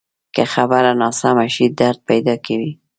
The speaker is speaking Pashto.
که خبره ناسمه شي، درد پیدا کوي